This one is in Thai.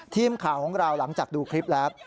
ทีมข่าวของเราหลังจากดูคลิปแล้ว